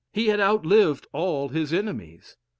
He had outlived all his enemies.